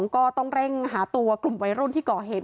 ก็ต้องเร่งหาตัวกลุ่มวัยรุ่นที่ก่อเหตุ